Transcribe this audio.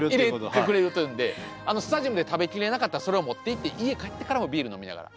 入れてくれるというんでスタジアムで食べ切れなかったらそれを持っていって家帰ってからもビール飲みながら。